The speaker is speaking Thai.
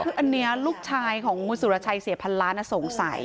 คืออันนี้ลูกชายของคุณสุรชัยเสียพันล้านสงสัย